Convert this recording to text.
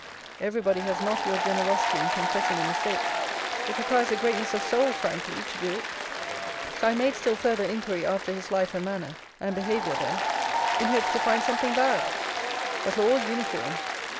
Everybody has not your generosity in confessing a mistake. It requires a greatness of soul frankly to do it. So I made still further inquiry after his life and manner, and behaviour there, in hopes to find something bad: but all uniform!